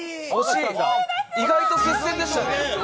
意外と接戦でしたね。